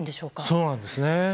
そうなんですね。